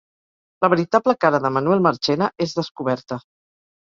La veritable cara de Manuel Marchena és descoberta